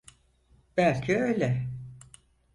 Belki öyle.